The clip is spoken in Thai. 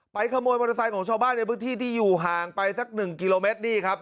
ขโมยมอเตอร์ไซค์ของชาวบ้านในพื้นที่ที่อยู่ห่างไปสักหนึ่งกิโลเมตรนี่ครับ